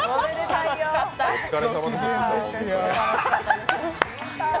お疲れさまです。